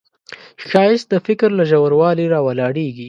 ښایست د فکر له ژوروالي راولاړیږي